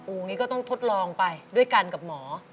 อย่างนี้ก็ต้องทดลองไปด้วยกันกับหมอ